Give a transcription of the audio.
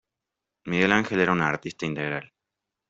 Miguel Ángel era un artista integral.